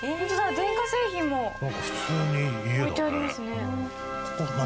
電化製品も置いてありますね。